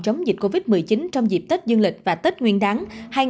chống dịch covid một mươi chín trong dịp tết dương lịch và tết nguyên đáng hai nghìn hai mươi